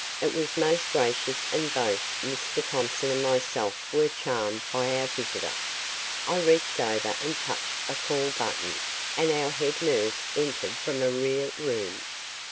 It was most gracious and both Dr. Thompson and myself were charmed by our visitor. I reached over and touched a call button and our head nurse entered from a rear room.